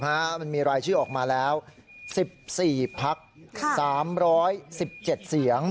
มันมีรายชื่อออกมาแล้ว๑๔พัก๓๑๗เสียง